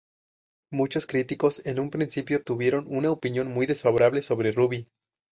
Muchos críticos en un principio tuvieron una opinión muy desfavorable sobre Ruby.